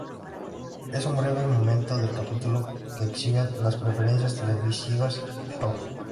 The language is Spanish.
En un breve momento del capítulo se exhiben las preferencias televisivas de House.